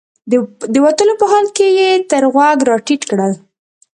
د وتلو په حال کې یې تر غوږ راټیټ کړل.